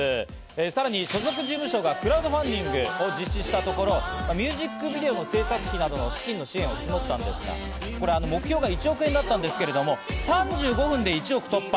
さらに所属事務所がクラウドファンディングを実施したところ、ミュージックビデオの制作費などの資金の支援を募ったんですが目標が１億円だったんですけれども、３５分で１億突破。